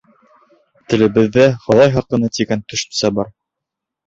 Телебеҙҙә Хоҙай хаҡына тигән төшөнсә бар.